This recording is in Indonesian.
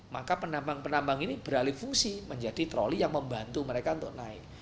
maka penambang penambang ini beralih fungsi menjadi troli yang membantu mereka untuk naik